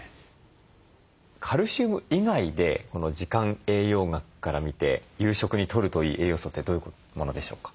カルシウム以外で時間栄養学から見て夕食にとるといい栄養素ってどういうものでしょうか？